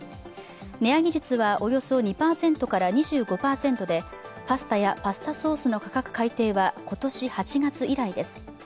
値上げ率はおよそ２％から２５％でパスタやパスタソースの価格改定は、今年８月以来です。